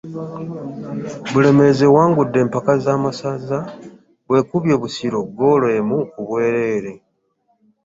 Bulemeezi ewangudde empaka z'amasaza bw'ekubye Busiro ggoolo emu ku bwereere